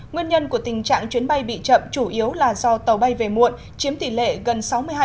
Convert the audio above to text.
nguyên nhân của tình trạng chuyến bay bị chậm chủ yếu là do tàu bay về muộn chiếm tỷ lệ gần sáu mươi hai